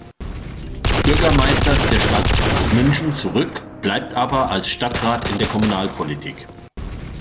Bürgermeisters der Stadt München zurück, bleibt aber als Stadtrat in der Kommunalpolitik.